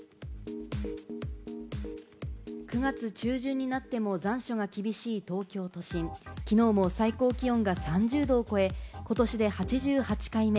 ９月中旬になっても残暑が厳しい東京都心、きのうも最高気温が３０度を超え、ことしで８８回目。